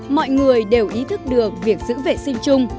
mọi người đều ý thức được việc giữ vệ sinh chung